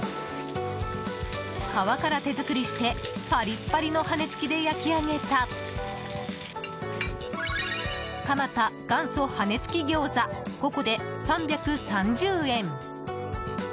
皮から手作りしてパリッパリの羽根付きで焼き上げた蒲田元祖羽根つき餃子５個で３３０円。